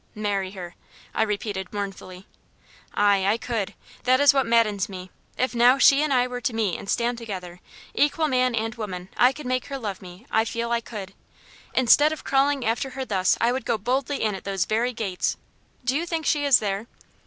"Marry her," I repeated, mournfully. "Ay, I could. That is what maddens me. If now she and I were to meet and stand together, equal man and woman, I could make her love me; I feel I could. Instead of crawling after her thus I would go boldly in at those very gates do you think she is there?"